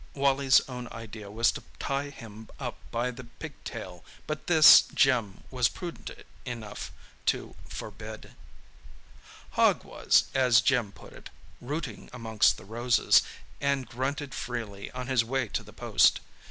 Wally's own idea was to tie him up by the pigtail, but this Jim was prudent enough to forbid. Hogg was, as Jim put it, rooting amongst the roses, and grunted freely on his way to the post.